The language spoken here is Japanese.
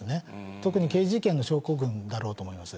特に刑事事件の証拠群だろうと思います。